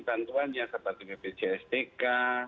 bantuannya seperti bpjsdk